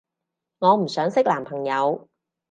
我唔想識男朋友